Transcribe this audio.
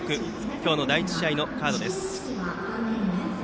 今日の第１試合のカードです。